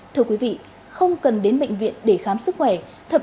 thưa quý vị không cần đến bệnh viện để khám sức khỏe